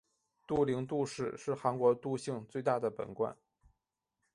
杜陵杜氏是韩国杜姓最大的本贯。